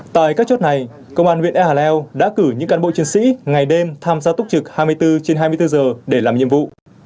tại các chốt này công an huyện ea hà leo đã cử những cán bộ chiến sĩ ngày đêm tham gia túc trực hai mươi bốn trên hai mươi bốn giờ để làm nhiệm vụ